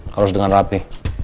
harus dengan rapi